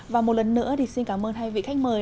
và một lần nữa thì xin cảm ơn hai vị khách mời